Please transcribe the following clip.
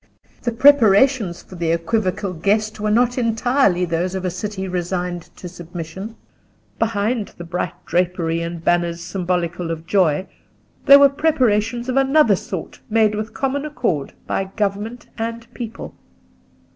The preparations for the equivocal guest were not entirely those of a city resigned to submission. Behind the bright drapery and banners symbolical of joy, there were preparations of another sort made with common accord by government and people.